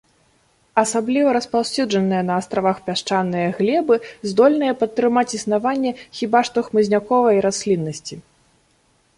Асабліва распаўсюджаныя на астравах пясчаныя глебы здольныя падтрымаць існаванне хіба што хмызняковай расліннасці.